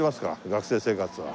学生生活は。